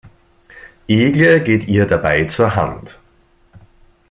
Egle geht ihr dabei zur Hand.